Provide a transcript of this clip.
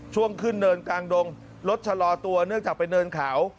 ช่วงขึ้นเนินกลางดงรถชะลอตัวเนื่องจากเป็นเนินเขา